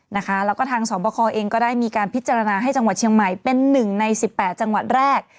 แล้วก็ทางสอบคอเองก็ได้มีการพิจารณาให้จังหวัดเชียงใหม่เป็น๑ใน๑๘จังหวัดแรก